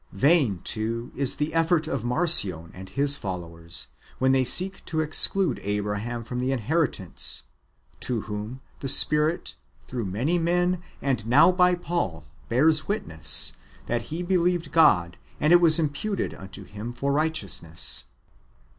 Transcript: Vain, too, is [the effort of] Marcion and his followers when they [seek to] exclude Abraham from the inheritance, to whom the Spirit through many men, and now by Paul, bears witness, that "he believed God, and it was imputed unto him for righteousness."